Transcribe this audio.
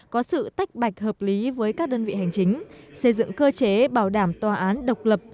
có sự tách bạch hợp lý với các đơn vị hành chính xây dựng cơ chế bảo đảm tòa án độc lập